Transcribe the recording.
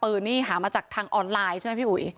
นี่หามาจากทางออนไลน์ใช่ไหมพี่อุ๋ย